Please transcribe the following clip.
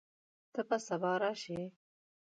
ته به سبا راشې؟